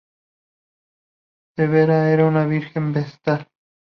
Severa era una virgen vestal.